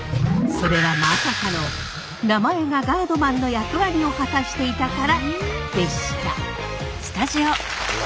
それはまさかの名前がガードマンの役割を果たしていたからでした。